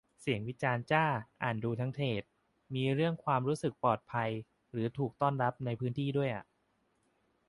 เสียงวิจารณ์จ้า อ่านดูทั้งเธรด มีเรื่องความรู้สึกปลอดภัยหรือถูกต้อนรับในพื้นที่ด้วยอะ